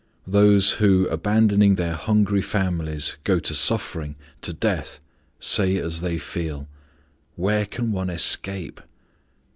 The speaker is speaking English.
Those who, abandoning their hungry families, go to suffering, to death, say as they feel, "Where can one escape?"